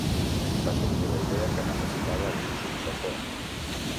Va sorgir la idea que necessitava un successor.